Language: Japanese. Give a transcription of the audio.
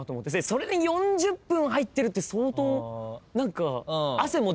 それで４０分入ってるって相当。